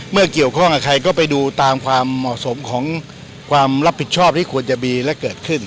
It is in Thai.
เกี่ยวข้องกับใครก็ไปดูตามความเหมาะสมของความรับผิดชอบที่ควรจะมีและเกิดขึ้น